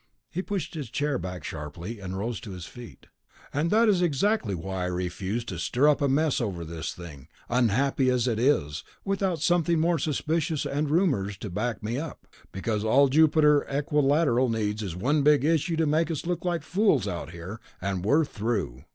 He pushed his chair back sharply and rose to his feet. "And that is exactly why I refuse to stir up a mess over this thing, unhappy as it is, without something more than suspicions and rumors to back me up ... because all Jupiter Equilateral needs is one big issue to make us look like fools out here, and we're through."